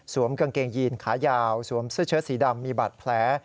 กางเกงยีนขายาวสวมเสื้อเชิดสีดำมีบาดแผล